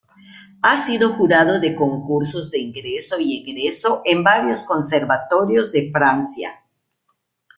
Ha sido jurado de concursos de ingreso y egreso en varios conservatorios de Francia.